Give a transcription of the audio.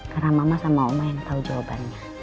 karena mama sama oma yang tahu jawabannya